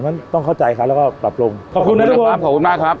มันต้องเข้าใจค่ะแล้วก็ปรับลงขอบคุณนะทุกคนขอบคุณมากครับ